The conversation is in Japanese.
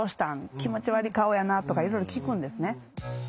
「気持ち悪い顔やな」とかいろいろ聞くんですね。